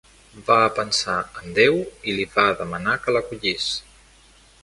Va pensar en Déu i li va demanar que l'acollís.